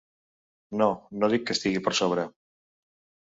No, no dic que estigui per sobre.